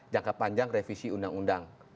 jangka panjang revisi undang undang